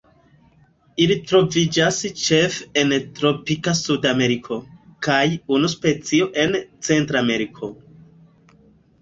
Ili troviĝas ĉefe en tropika Sudameriko, kaj unu specio en Centrameriko.